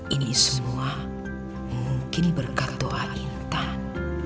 ini semua mungkin berkat doa intan